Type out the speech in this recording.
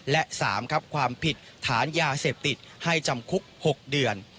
และ๓ครับความผิดฐานยาเสพติดให้จำคุก๖เดือน